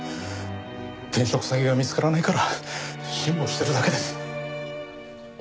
転職先が見つからないから辛抱してるだけです。